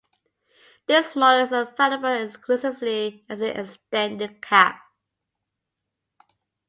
This model is available exclusively as an Extended Cab.